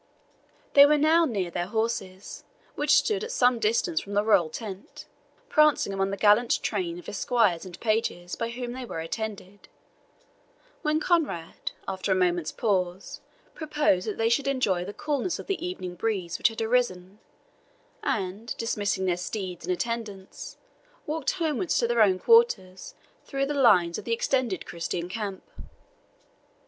They were now near their horses, which stood at some distance from the royal tent, prancing among the gallant train of esquires and pages by whom they were attended, when Conrade, after a moment's pause, proposed that they should enjoy the coolness of the evening breeze which had arisen, and, dismissing their steeds and attendants, walk homewards to their own quarters through the lines of the extended Christian camp.